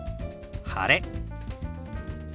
「晴れ」。